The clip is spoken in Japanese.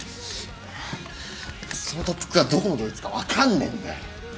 その特服がどこのどいつか分かんねえんだよ。